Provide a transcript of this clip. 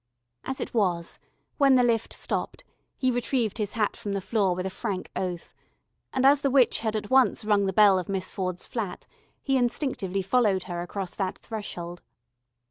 As it was, when the lift stopped, he retrieved his hat from the floor with a frank oath, and, as the witch had at once rung the bell of Miss Ford's flat, he instinctively followed her across that threshold.